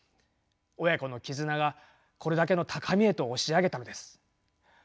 親子の絆がこれだけの高みへと押し上げたのです。